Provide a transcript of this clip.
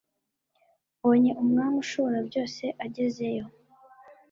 mbonye Umwami ushoborabyose agezeyo